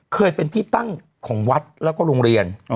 เคยเป็นที่ตั้งของวัดแล้วก็โรงเรียน